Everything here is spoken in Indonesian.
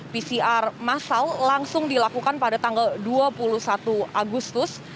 pcr masal langsung dilakukan pada tanggal dua puluh satu agustus